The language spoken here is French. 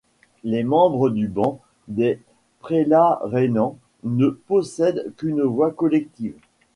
Les membres du banc des prélats rhénans ne possèdent qu'une voix collective.